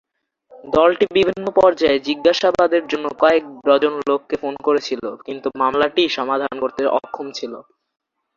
দলটি বিভিন্ন পর্যায়ে জিজ্ঞাসাবাদের জন্য কয়েক ডজন লোককে ফোন করেছিল, কিন্তু মামলাটি সমাধান করতে অক্ষম ছিল।